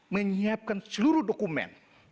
menyiapkan seluruh dokumen